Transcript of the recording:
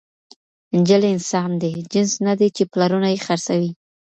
نجلۍ انسان دی، جنس ندی، چي پلرونه ئې خرڅوي